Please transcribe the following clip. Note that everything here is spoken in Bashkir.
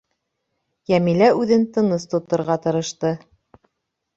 Йәмилә үҙен тыныс тоторға тырышты.